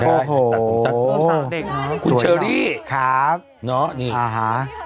ใช่โอ้โหตัดผมจากตัวสาวเด็กคุณเชอรี่ครับเนอะนี่อ่าฮะ